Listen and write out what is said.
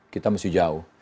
kita masih jauh